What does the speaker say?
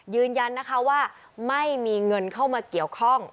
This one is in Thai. ยืนยันนะคะว่าไม่มีเงินเข้ามาเกี่ยวข้อง